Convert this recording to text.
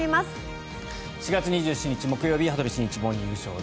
４月２７日木曜日「羽鳥慎一モーニングショー」。